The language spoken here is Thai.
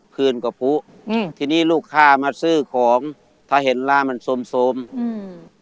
คืนก็ผู้อืมทีนี้ลูกค้ามาซื้อของถ้าเห็นร้านมันสมสมอืม